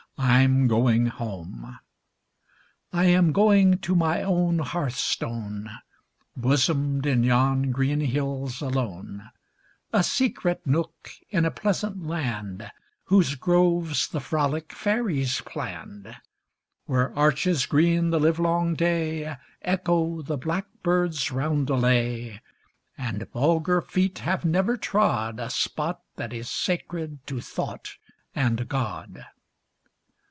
I'm going home. I am going to my own hearth stone, Bosomed in yon green hills alone, secret nook in a pleasant land, Whose groves the frolic fairies planned; Where arches green, the livelong day, Echo the blackbird's roundelay, And vulgar feet have never trod A spot that is sacred to thought and God.